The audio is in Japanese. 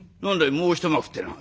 もう一幕ってのは？」。